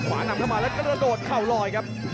ขวานำเข้ามาแล้วโดดเค้าลอยครับ